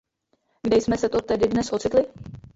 Kde jsme se to tedy dnes ocitli?